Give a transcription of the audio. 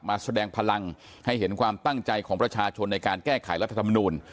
แสดงพลังให้เห็นความตั้งใจของประชาชนในการแก้ไขรัฐธรรมนูล